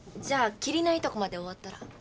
じゃあ切りのいいとこまで終わったら。